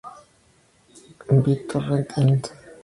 BitTorrent, Inc.